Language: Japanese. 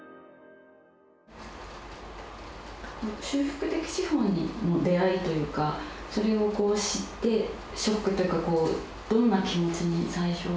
修復的司法の出会いというかそれを知ってショックというかどんな気持ちに最初。